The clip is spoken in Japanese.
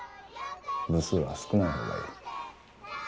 部数は少ない方がいい。